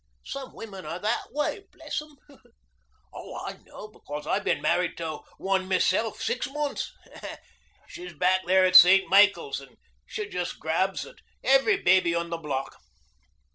Some women are that way, bless 'em. I know because I've been married to one myself six months. She's back there at St. Michael's, and she just grabs at every baby in the block."